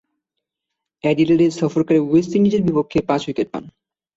অ্যাডিলেডে সফরকারী ওয়েস্ট ইন্ডিজের বিপক্ষে পাঁচ উইকেট পান।